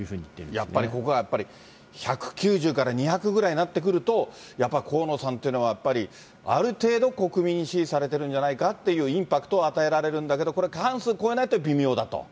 やっぱり、ここが１９０から２００ぐらいになってくると、やっぱ河野さんっていうのはやっぱり、ある程度、国民に支持されてるんじゃないかっていうインパクトを与えられるんだけど、これ、過半数超えないと微妙だと？